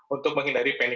untuk menghindari panic